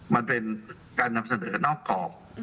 มันเป็นการนำเสนอนอกกรอบ